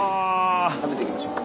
食べていきましょう。